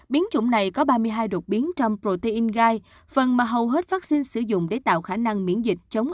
biến chủng này có ba mươi hai đột biến trong protein gai phần mà hầu hết vaccine sử dụng để tạo khả năng